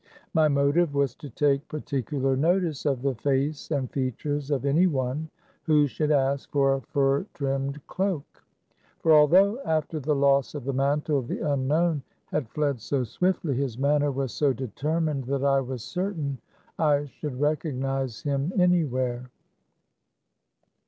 My motive was to take par ticular notice of the face and features of any one who should ask for a fur trimmed cloak. For although after the loss of the mantle, the Unknown had fled so swiftly, his manner was so determined that I was certain I should recog nize him anywhere.